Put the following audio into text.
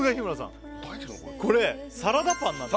これサラダパンなんです